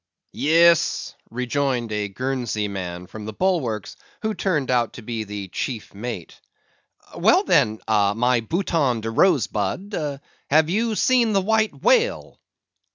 "Yes," rejoined a Guernsey man from the bulwarks, who turned out to be the chief mate. "Well, then, my Bouton de Rose bud, have you seen the White Whale?"